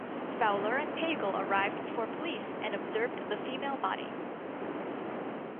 Fowler and Paegel arrived before police and observed the female body.